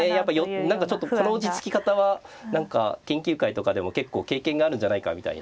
何かちょっとこの落ち着き方は何か研究会とかでも結構経験があるんじゃないかみたいな。